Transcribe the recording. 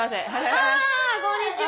ああこんにちは。